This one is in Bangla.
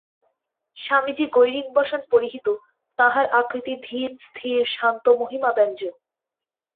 স্বামীজী গৈরিকবসন-পরিহিত, তাঁহার আকৃতি ধীর স্থির শান্ত মহিমাব্যঞ্জক।